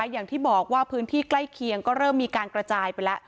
อย่างที่บอกว่าพื้นที่ใกล้เคียงก็เริ่มมีการกระจายไปแล้ว